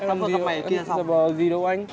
em làm gì đâu anh làm gì đâu anh